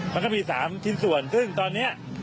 มันก็มี๓ชิ้นส่วนซึ่งตอนนี้